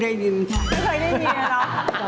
ไม่เคยได้ยินเหรอ